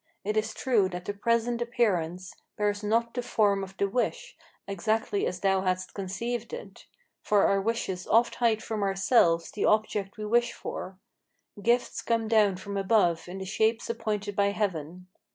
It is true that the present appearance Bears not the form of the wish, exactly as thou hadst conceived it: For our wishes oft hide from ourselves the object we wish for; Gifts come down from above in the shapes appointed by Heaven.